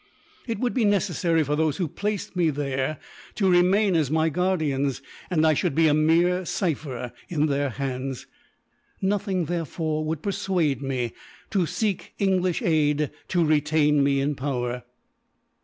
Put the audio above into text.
It would be necessary for those who placed me there to remain as my guardians, and I should be a mere cypher in their hands. Nothing, therefore, would persuade me to seek English aid to retain me in power."